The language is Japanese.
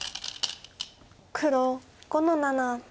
黒５の七。